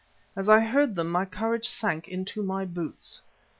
As I heard them my courage sank into my boots.